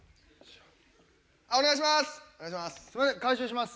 お願いします